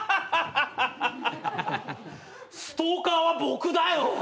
ストーカーは僕だよ！